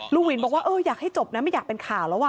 หินบอกว่าเอออยากให้จบนะไม่อยากเป็นข่าวแล้ว